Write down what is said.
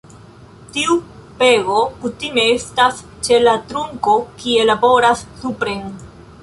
Tiu pego kutime estas ĉe la trunko, kie laboras supren.